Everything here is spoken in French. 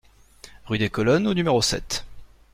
Rue des Colonnes au numéro sept